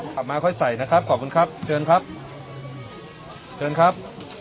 ขับมาค่อยใส่นะครับขอบคุณครับเชิญครับเชิญครับ